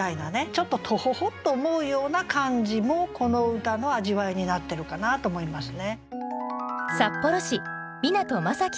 ちょっとトホホと思うような感じもこの歌の味わいになってるかなと思いますね。